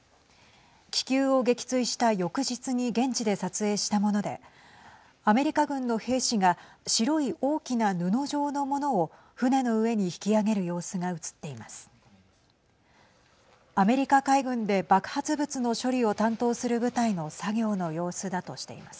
気球を撃墜した翌日に現地で撮影したものでアメリカ軍の兵士が白い大きな布状のものを船の上に引き揚げる様子が写っています。